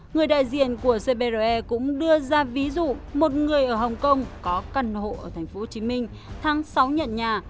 người đại diện của cbre cũng đưa ra ví dụ một người ở hồng kông có căn hộ ở tp hcm tháng sáu nhận nhà